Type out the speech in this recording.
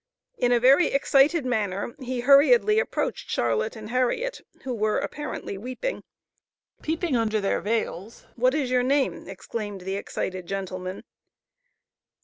In a very excited manner, he hurriedly approached Charlotte and Harriet, who were apparently weeping. Peeping under their veils, "What is your name," exclaimed the excited gentleman.